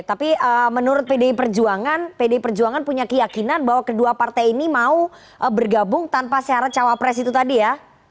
tapi menurut pdi perjuangan pdi perjuangan punya keyakinan bahwa kedua partai ini mau bergabung tanpa syarat cawapres itu tadi ya